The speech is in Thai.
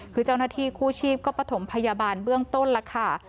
คือเจ้าหน้าที่กู้ชีพก็ประถมพยาบาลเบื้องต้นแล้วค่ะ